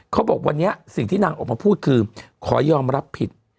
เขาบอกวันนี้สิ่งที่นางออกมาพูดคือขอยอมรับผิด